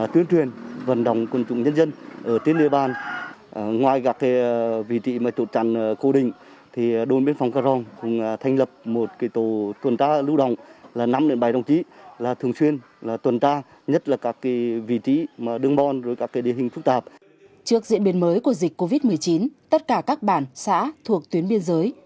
trước diễn biến mới của dịch covid một mươi chín tất cả các bản xã thuộc tuyến biên giới